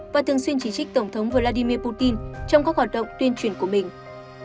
và thường xuyên chỉ trích tổng thống vladimir putin trong các hoạt động tuyên truyền của mình